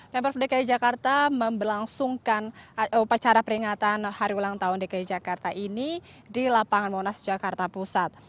pemprov dki jakarta membelangsungkan upacara peringatan hari ulang tahun dki jakarta ini di lapangan monas jakarta pusat